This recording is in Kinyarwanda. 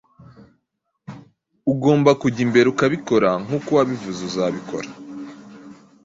Ugomba kujya imbere ukabikora, nkuko wabivuze uzabikora.